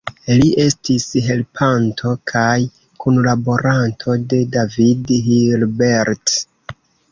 Li estis helpanto kaj kunlaboranto de David Hilbert.